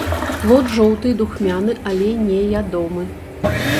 Плод жоўты і духмяны, але не ядомы.